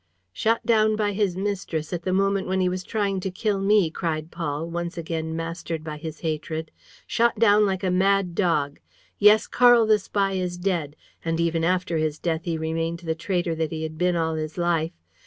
"Shot down by his mistress at the moment when he was trying to kill me," cried Paul, once again mastered by his hatred. "Shot down like a mad dog! Yes, Karl the spy is dead; and even after his death he remained the traitor that he had been all his life.